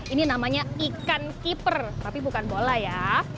ini namanya ikan keeper tapi bukan bola ya